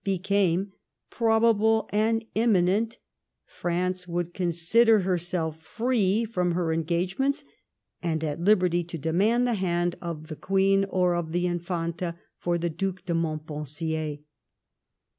became ''probable and immi nent/' France would consider herself firee from her en gagements, «nd at liberty to demand the band of the Queen or of the Infanta for the Due de Montpensier.